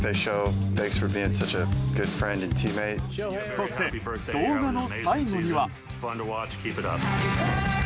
そして、動画の最後には。